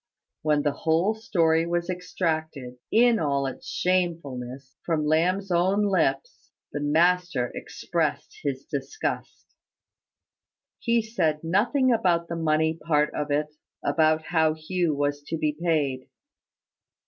When the whole story was extracted, in all its shamefulness, from Lamb's own lips, the master expressed his disgust. He said nothing about the money part of it about how Hugh was to be paid.